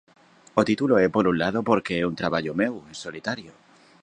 O título é, por un lado, porque é un traballo meu, en solitario.